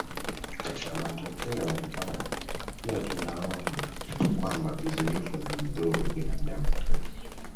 Katika matokeo hayo pia tunaona kwamba uzinifu unamdhuru binadamu